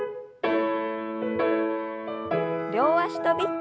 両脚跳び。